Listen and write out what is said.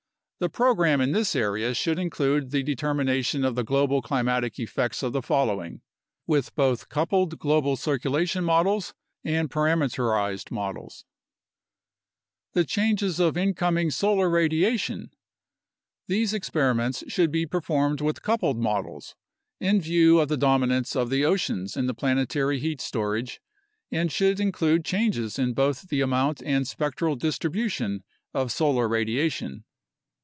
The program in this area should include the determination of the global climatic effects of the following (with both coupled global circulation models and parameterized models): The changes of incoming solar radiation. These experiments should be performed with coupled models, in view of the dominance of the oceans in the planetary heat storage, and should include changes in both the amount and spectral distribution of solar radiation.